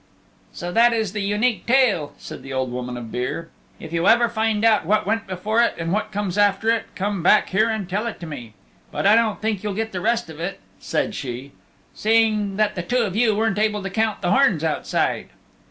"So that is the Unique Tale," said the Old Woman of Beare. "If you ever find out what went before it and what comes after it come back here and tell it to me. But I don't think you'll get the rest of it," said she, "seeing that the two of you weren't able to count the horns outside."